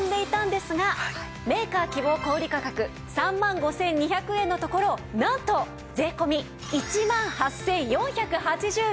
メーカー希望小売価格３万５２００円のところをなんと税込１万８４８０円。